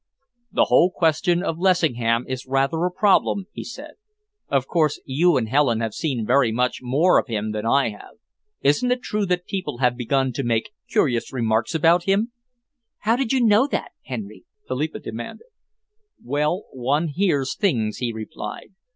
"The whole question of Lessingham is rather a problem," he said. "Of course, you and Helen have seen very much more of him than I have. Isn't it true that people have begun to make curious remarks about him?" "How did you know that, Henry?" Philippa demanded. "Well, one hears things," he replied.